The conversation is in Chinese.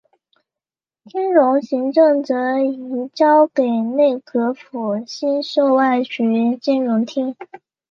金融行政则移交给内阁府新设外局金融厅。